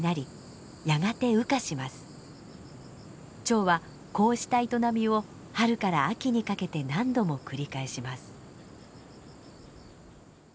チョウはこうした営みを春から秋にかけて何度も繰り返します。